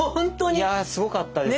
いやすごかったですね。